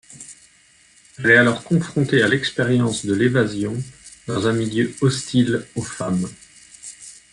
Elle est alors confrontée à l'expérience de l'évasion dans un milieu hostile aux femmes.